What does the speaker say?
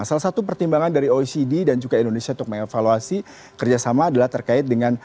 salah satu pertimbangan dari oecd dan juga indonesia untuk mengevaluasi kerjasama adalah terkait dengan